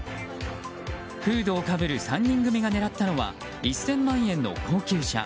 フードをかぶる３人組が狙ったのは１０００万円の高級車。